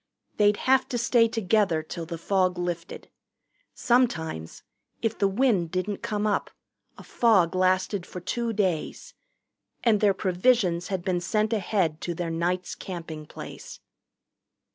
They'd have to stay together till the fog lifted. Sometimes, if the wind didn't come up, a fog lasted for two days. And their provisions had been sent ahead to their night's camping place.